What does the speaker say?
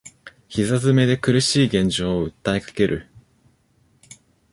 膝詰めで苦しい現状を訴えかける